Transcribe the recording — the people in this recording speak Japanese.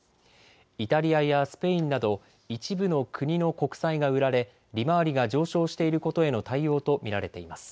イタリアやスペインなど一部の国の国債が売られ利回りが上昇していることへの対応と見られています。